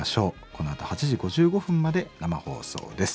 このあと８時５５分まで生放送です。